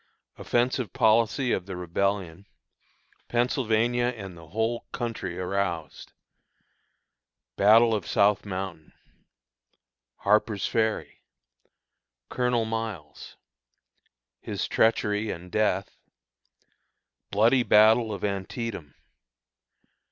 Offensive Policy of the Rebellion. Pennsylvania and the Whole Country Aroused. Battle of South Mountain. Harper's Ferry. Colonel Miles. His Treachery and Death. Bloody Battle of Antietam.